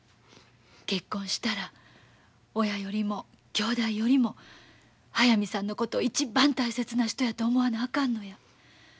結婚したら親よりも兄弟よりも速水さんのことを一番大切な人やと思わなあかんのや。